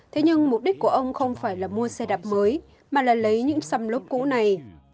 thế nhưng mục đích của ông không phải là mua xe đạp mới mà là lấy những xăm lốp cũ này